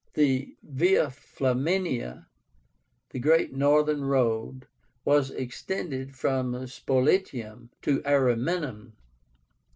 The Via Flaminia, the great northern road, was extended from SPOLETIUM to ARIMINUM.